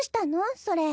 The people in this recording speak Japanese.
それ。